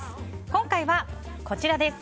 今回はこちらです。